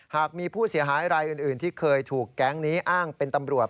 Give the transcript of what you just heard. หากมีผู้เสียหายรายอื่นที่เคยถูกแก๊งนี้อ้างเป็นตำรวจ